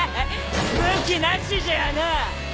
武器なしじゃあなぁ。